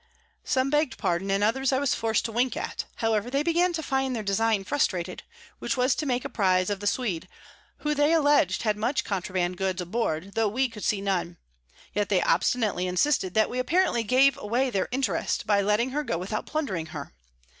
Some beg'd Pardon, and others I was forc'd to wink at; however, they began to find their Design frustrated, which was to make a Prize of the Swede, who they alledg'd had much Contraband Goods aboard, tho we could see none; yet they obstinately insisted, that we apparently gave away their Interest, by letting her go without plundering her.